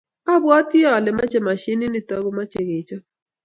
Abwati ale mochei mashinit nito komochei kechop